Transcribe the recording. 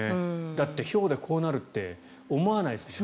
だって、ひょうでこうなるって思わないですから。